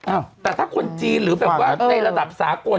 อ้าวแต่ถ้าคนจีนหรือแบบว่าในระดับสากล